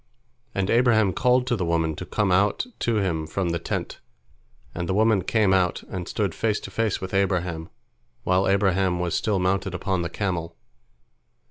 And Abraham called to the woman to come out to him from the tent, and the woman came out, and stood face to face with Abraham, while Abraham was still mounted upon the camel.